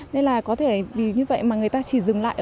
nên là có thể vì như vậy mà người ta chỉ dừng lại